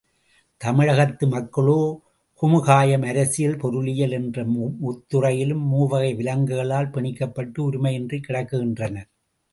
தமிழகத்து மக்களோ குமுகாயம், அரசியல், பொருளியல் எனும் முத்துறையிலும் மூவகை விலங்குகளால் பிணிக்கப்பட்டு, உரிமையின்றிக் கிடக்கின்றனர்.